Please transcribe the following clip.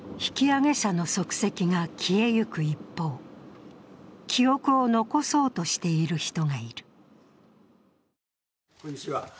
引揚者の足跡が消えゆく一方、記憶を残そうとしている人がいる。